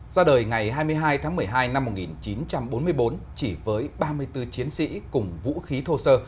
ra đời ngày hai mươi hai tháng một mươi hai năm một nghìn chín trăm bốn mươi bốn chỉ với ba mươi bốn chiến sĩ cùng vũ khí thô sơ